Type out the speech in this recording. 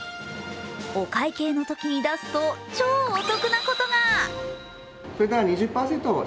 お会計のときに出すと超お得なことが。